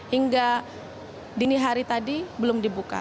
hingga dini hari tadi belum dibuka